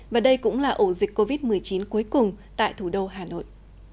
và đây cũng là ổ dịch covid một mươi chín cuối cùng tại thủ đô hà nội